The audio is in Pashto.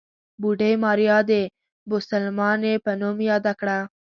بوډۍ ماريا د بوسلمانې په نوم ياده کړه.